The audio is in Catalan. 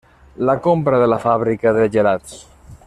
La compra de la fàbrica de gelats.